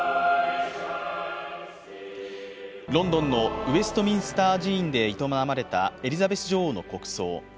ロンドンのウェストミンスター寺院で営まれたエリザベス女王の国葬。